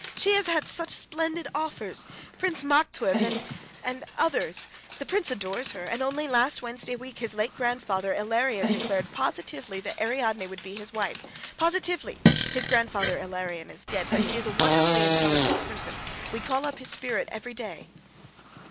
"She has had such splendid offers Prince Maktuev and ... and others. The prince adores her, and only last Wednesday week his late grandfather, Ilarion, declared positively that Ariadne would be his wife positively! His grandfather Ilarion is dead, but he is a wonderfully intelligent person; we call up his spirit every day."